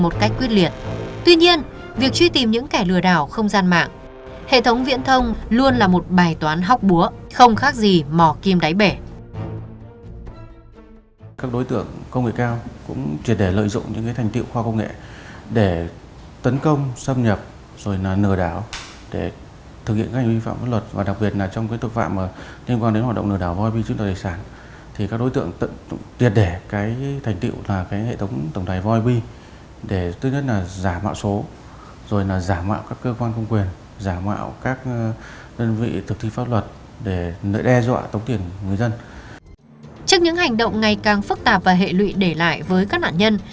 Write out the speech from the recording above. trước những hành động ngày càng phức tạp và hệ lụy để lại với các nạn nhân